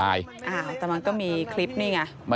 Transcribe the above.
แต่มันก็มีคลิปนี่ไง